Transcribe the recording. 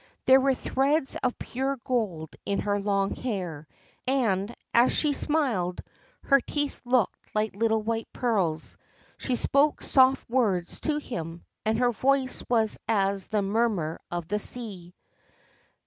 There were threads of pure gold in her long hair, and, as she smiled, her teeth looked like little white pearls. She spoke soft words to him, and her voice was as the murmur of the sea.